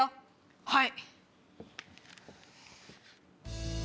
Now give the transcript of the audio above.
はい！